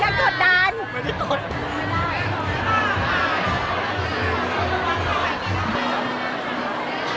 อยากถดดัน